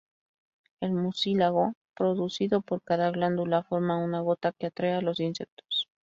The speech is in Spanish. El mucílago producido por cada glándula forma una gota que atrae a los insectos.